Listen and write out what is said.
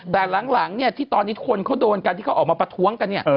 แต่หลังเนี่ยที่ตอนนี้คนเขาโดนกันที่เขาออกมาประท้วงกันเนี่ย